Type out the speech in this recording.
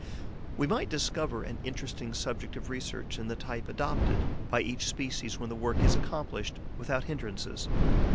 We might discover an interesting subject of research in the type adopted by each species when the work is accomplished without hindrances.